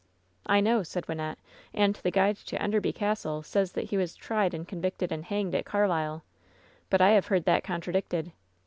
"I know," said Wynnette, "and the guide to Enderby Castle says that he was tried and convicted and hanged at Carlisle. But I have heard that contradicted."